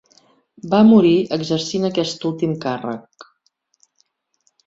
Va morir exercint aquest últim càrrec.